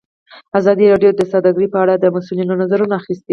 ازادي راډیو د سوداګري په اړه د مسؤلینو نظرونه اخیستي.